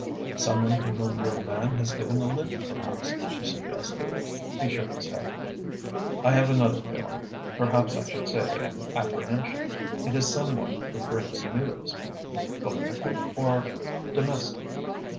"Some one to whom your man has given a lift, perhaps," she suggested. He shook his head. "I have another feeling perhaps I should say an apprehension. It is some one who brings news." "Political or domestic?"